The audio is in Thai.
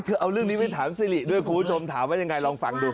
เอาเรื่องนี้ไปถามสิริด้วยคุณผู้ชมถามว่ายังไงลองฟังดู